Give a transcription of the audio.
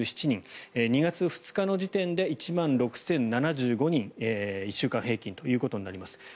２月２日の時点で１万６０７５人１週間平均ということになります。